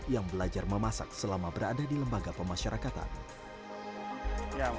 yang belajar memasak selama berada di lembaga pemasyarakatan